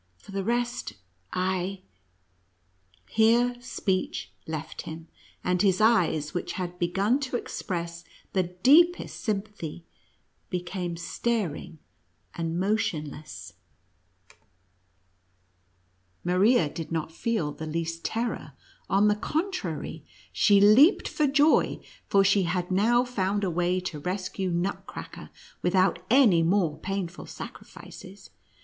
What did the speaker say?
For the rest, I —" Here speech left him, and his eyes, which had begun to express the deepest sympathy, became staring and motionless. 104 NUTCEACKEB AOT) MOUSE KDSTG. Maria did not feel the least terror ; on the contrary, she leaped for joy, for she had now found a way to rescue Nutcracker without any more painful sacrifices.